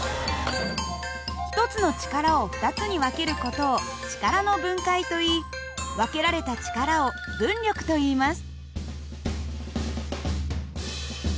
１つの力を２つに分ける事を力の分解といい分けられた力を分力といいます。